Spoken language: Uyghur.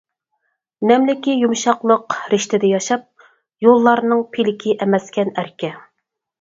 نەملىكى يۇمشاقلىق رىشتىدە ياشاپ، يوللارنىڭ پىلىكى ئەمەسكەن ئەركە.